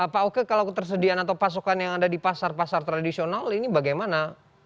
pak oke kalau ketersediaan atau pasokan yang ada di pasar pasar tradisional ini bagaimana